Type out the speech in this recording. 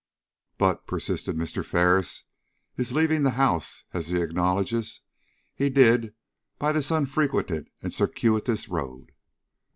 "But," persisted Mr. Ferris, "his leaving the house, as he acknowledges he did, by this unfrequented and circuitous road?"